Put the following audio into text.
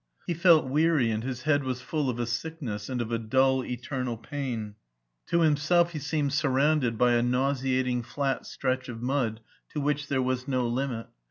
He felt weary and his head was full of a sickness and of a dull eternal pain; to himself he seemed surrounded by a nauseating flat stretch of mud to which there was no limit.